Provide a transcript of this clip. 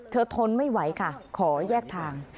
ทนไม่ไหวค่ะขอแยกทาง